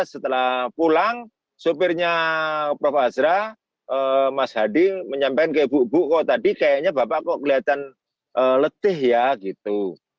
setelah pulang sopirnya prof azra mas hadi menyampaikan ke ibu ibu kok tadi kayaknya bapak kok kelihatan letih ya gitu